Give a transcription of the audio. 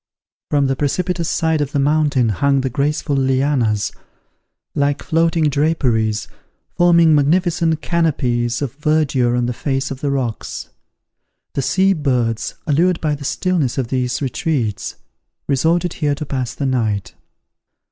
From the precipitous side of the mountain hung the graceful lianas, like floating draperies, forming magnificent canopies of verdure on the face of the rocks. The sea birds, allured by the stillness of these retreats, resorted here to pass the night.